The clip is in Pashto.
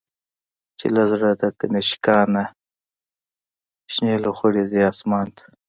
چی له زړه د«کنشکا» نه، شنی لوخړی ځی آسمان ته